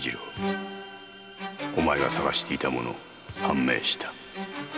お前が探していたもの判明した」